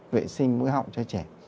vệ sinh mũi họng cho trẻ